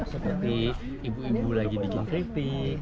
seperti ibu ibu lagi bikin keripik